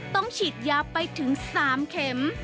ต้องฉีดยาไปถึง๓เข็ม